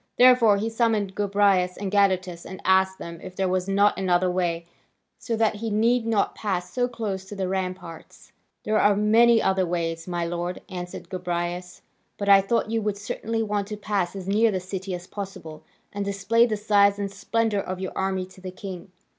Therefore he summoned Gobryas and Gadatas, and asked them if there was not another way, so that he need not pass so close to the ramparts. "There are many other ways, my lord," answered Gobryas, "but I thought you would certainly want to pass as near the city as possible, and display the size and splendour of your army to the king.